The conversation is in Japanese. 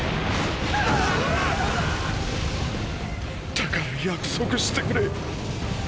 だから約束してくれ。